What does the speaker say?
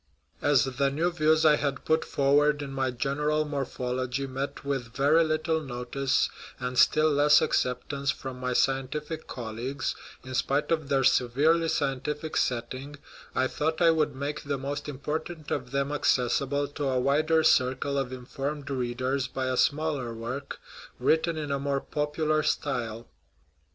As the new views I had put forward in my General Morphology met with very little notice, and still less acceptance, from my scientific colleagues, in spite of their severely scientific setting, I thought I would make the most important of them accessible to a wider circle of informed readers by a smaller work, written in a more popular style.